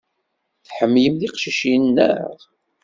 Tḥemmlem tiqcicin, naɣ?